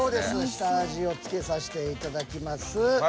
下味を付けさせていただきます。